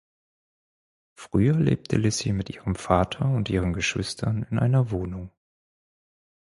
Früher lebte Lissi mit ihrem Vater und ihren Geschwistern in einer Wohnung.